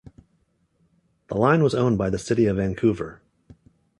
The line was owned by the City of Vancouver.